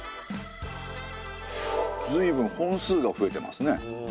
随分本数が増えてますね。